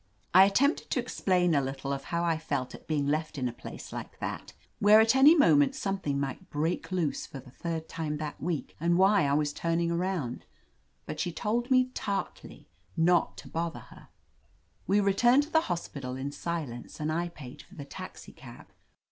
I attempted to explain a little of how I felt at being left in a {dace like that, where at any moment something might break loose for the third time that week, and why I was turning around, but she told me tartly not to bother her. 165 THE AMAZING ADVENTURES We returned to the hospital in silence, and I paid for the taxicab.